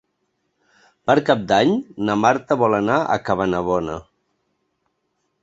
Per Cap d'Any na Marta vol anar a Cabanabona.